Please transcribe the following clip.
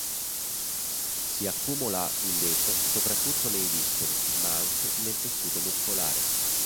Si accumula invece soprattutto nei visceri, ma anche nel tessuto muscolare.